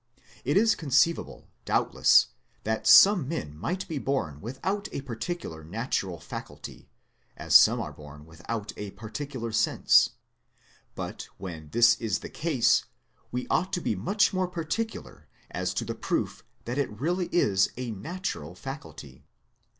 It is con ceivable, doubtless, that some men might be born without a particular natural faculty, as some are born without a particular sense. But when this is the case we ought to be much more particular as to the proof that it really is a natural faculty.